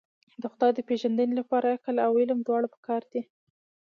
د خدای د پېژندنې لپاره عقل او علم دواړه پکار دي.